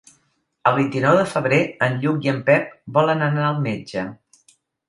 El vint-i-nou de febrer en Lluc i en Pep volen anar al metge.